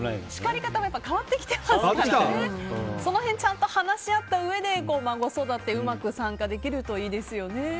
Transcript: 叱り方も変わってきていますからその辺を話し合ったうえで孫育てうまく参加できるといいですね。